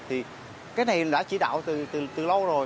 thì cái này đã chỉ đạo từ lâu rồi